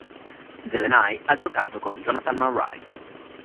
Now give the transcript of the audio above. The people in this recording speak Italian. Zelenay ha giocato con Jonathan Marray.